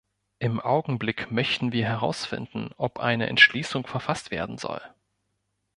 Im Augenblick möchten wir herausfinden, ob eine Entschließung verfasst werden soll.